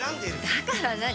だから何？